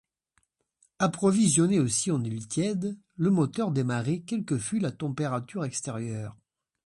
Approvisionné aussi en huile tiède, le moteur démarrait quelle que fût la température extérieure.